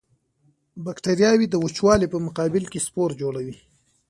بکټریاوې د وچوالي په مقابل کې سپور جوړوي.